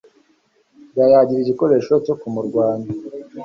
bayagira igikoresho cyo kumurwanya,